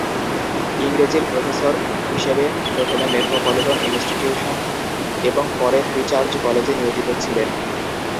ইংরেজির প্রফেসর হিসেবে প্রথমে মেট্রোপলিটন ইনস্টিটিউশন এবং পরে ফ্রী চার্চ কলেজে নিয়োজিত ছিলেন।